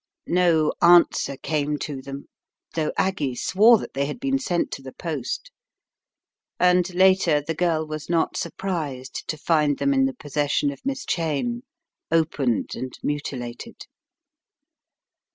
No answer came to them, though Aggie swore that they had been sent to the post, and later the girl was not surprised to find them in the possession of Miss Cheyne, opened and mutilated.